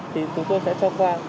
thì chúng tôi sẽ cho qua